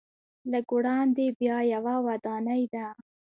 لږ وړاندې بیا یوه ودانۍ ده.